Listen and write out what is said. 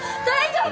大丈夫？